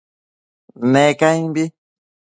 Ne caimbi